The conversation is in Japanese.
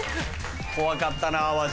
怖かったな淡路。